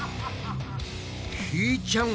ひーちゃん海も。